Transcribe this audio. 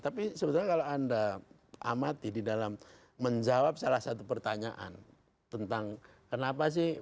tapi sebetulnya kalau anda amati di dalam menjawab salah satu pertanyaan tentang kenapa sih